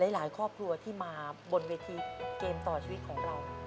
หลายครอบครัวที่มาบนเวทีเกมต่อชีวิตของเรา